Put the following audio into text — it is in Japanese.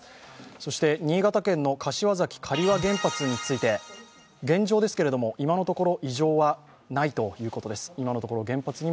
そして、新潟県の柏崎刈羽原発について現状ですが、今のところ異常はないということです。